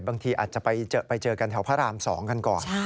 บางทีอาจจะไปเจอกันแถวพระราม๒กันก่อน